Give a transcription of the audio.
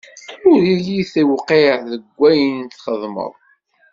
Ur yi-tewqiɛ deg ayen txeddmeḍ.